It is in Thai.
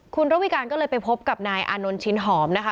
คุณระวิการก็เลยไปพบกับนายอานนท์ชินหอมนะคะ